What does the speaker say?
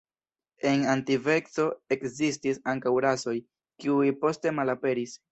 En antikveco ekzistis ankaŭ rasoj, kiuj poste malaperis.